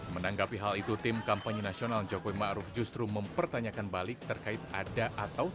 menanggapi hal itu tim kampanye nasional jokowi ⁇ maruf ⁇ justru mempertanyakan balik terkait ada atau tidak